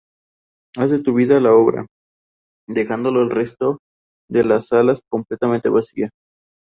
Haz de tu vida la obra", dejando el resto de las sala completamente vacía.